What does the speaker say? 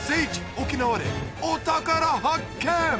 沖縄でお宝発見！